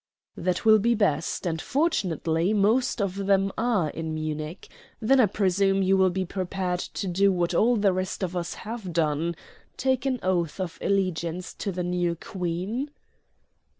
"That will be best; and fortunately most of them are in Munich. Then I presume you will be prepared to do what all the rest of us have done take an oath of allegiance to the new Queen?"